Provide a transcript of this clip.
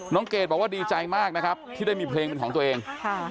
เกดบอกว่าดีใจมากนะครับที่ได้มีเพลงเป็นของตัวเองค่ะ